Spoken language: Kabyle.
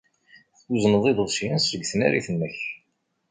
Tuzneḍ iḍebsiyen seg tnarit-nnek.